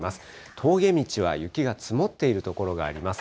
峠道は雪が積もっている所があります。